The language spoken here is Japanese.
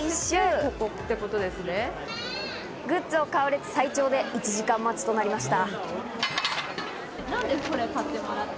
グッズを買う列、最長で１時間待ちとなりました。